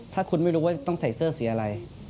ถ้าคุณไม่รู้ว่าต้องใส่เสื้อสีอะไร